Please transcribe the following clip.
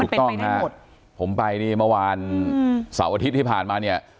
มันเป็นไปได้หมดถูกต้องครับผมไปนี่เมื่อวานเสาร์อาทิตย์ที่ผ่านมาเนี่ย